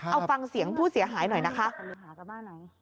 เอาฟังเสียงผู้เสียหายหน่อยนะคะ